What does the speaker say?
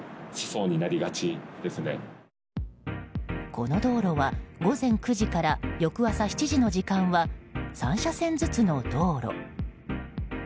この道路は午前９時から翌朝７時の時間は３車線ずつの道路。